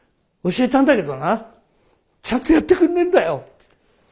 教えたんだけどなちゃんとやってくんねえんだよ。